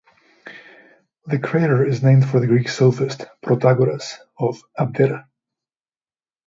The crater is named for the Greek sophist Protagoras of Abdera.